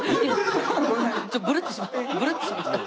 ちょっとブルってしました。